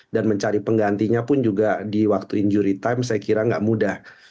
dan mencari penggantinya pun juga di waktu injury time saya kira nggak mudah